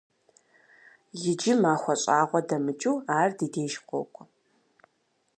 Иджы махуэ щӀагъуэ дэмыкӀыу ар ди деж къокӀуэ.